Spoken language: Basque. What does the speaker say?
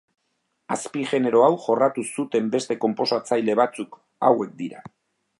Azpigenero hau jorratu zuten beste konposatzaile batzuk hauek dira.